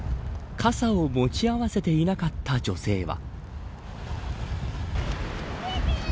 傘を持ち合わせていなかった女性は。